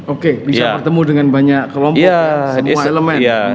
oke bisa bertemu dengan banyak kelompok semua elemen